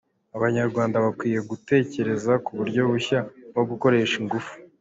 Abanyarwanda bakwiye gutekereza ku buryo bushya bwo gukoresha ingufu